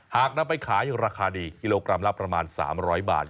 หากนำไปขายราคาดีกิโลกรัมละประมาณ๓๐๐บาท